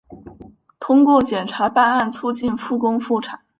通过检察办案促进复工复产